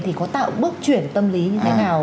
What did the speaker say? thì có tạo bước chuyển tâm lý như thế nào